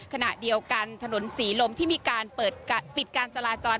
ขณะเดียวกันถนนศรีลมที่มีการเปิดปิดการจราจร